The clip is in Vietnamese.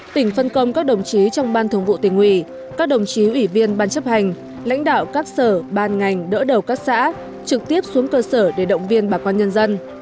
tỉnh phân công các đồng chí trong ban thường vụ tỉnh ủy các đồng chí ủy viên ban chấp hành lãnh đạo các sở ban ngành đỡ đầu các xã trực tiếp xuống cơ sở để động viên bà con nhân dân